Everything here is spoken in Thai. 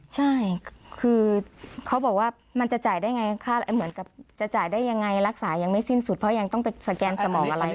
ใช่คือเขาบอกว่ามันจะจ่ายได้ยังไงรักษายังไม่สิ้นสุดเพราะยังต้องไปสแกนสมองอะไร